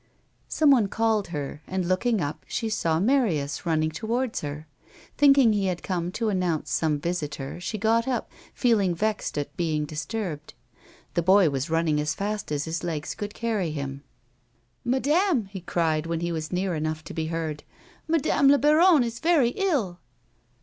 Someone called her, and, looking up, she saw xMarius running towards her. Thinking he had come to announce some visitor, she got up, feeling vexed at being disturbed. The boy was running as fast as his legs could carry him. " Madame !" he cried, when he was near enough to be heard. "Madame la baronne is very ill."